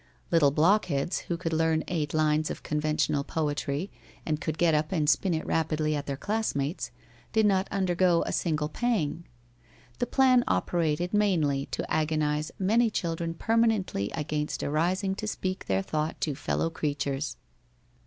Little blockheads who could learn eight lines of conventional poetry, and could get up and spin it rapidly at their classmates, did not undergo a single pang. The plan operated mainly to agonize many children permanently against arising to speak their thought to fellow creatures.